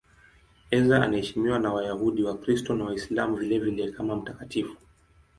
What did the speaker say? Ezra anaheshimiwa na Wayahudi, Wakristo na Waislamu vilevile kama mtakatifu.